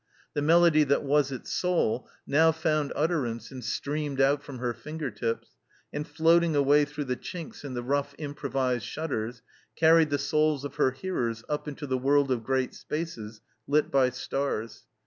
The melody that was its soul now found utterance and streamed out from her finger tips, and floating away through the chinks in the rough improvised shutters, carried the souls of her hearers up into the world of great spaces lit by stars.